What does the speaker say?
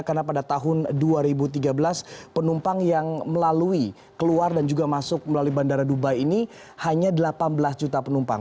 karena pada tahun dua ribu tiga belas penumpang yang melalui keluar dan juga masuk melalui bandara dubai ini hanya delapan belas juta penumpang